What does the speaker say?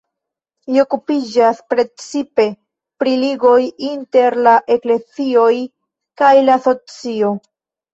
Li okupiĝas precipe pri ligoj inter la eklezioj kaj la socio.